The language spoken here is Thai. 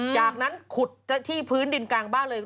จากนั้นขุดที่พื้นดินกลางบ้านเลย